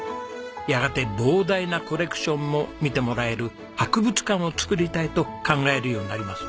やがて膨大なコレクションも見てもらえる博物館を作りたいと考えるようになります。